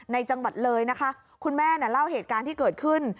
จังหวัดเลยนะคะคุณแม่เนี่ยเล่าเหตุการณ์ที่เกิดขึ้น